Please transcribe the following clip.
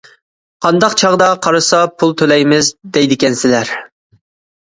قانداق چاغدا قارىسا پۇل تۆلەيمىز دەيدىكەنسىلەر.